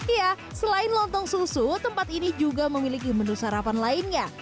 ya selain lontong susu tempat ini juga memiliki menu sarapan lainnya